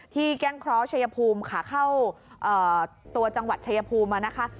แก้งเคราะห์ชายภูมิขาเข้าตัวจังหวัดชายภูมิมานะคะ